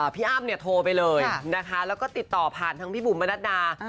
พี่อ้าวโทรไปเลยแล้วก็ติดต่อผ่านทางพี่ปุ่มมาดัดนา